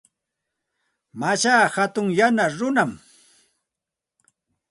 Mashaa hatun yana runam.